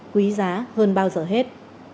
quý giá hơn bao giờ hết